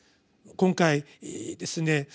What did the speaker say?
今回ですね